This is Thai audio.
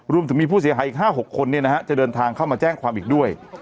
รวมถึงมีผู้เสียหายอีก๕๖คนจะเดินทางเข้ามาแจ้งความอีกด้วย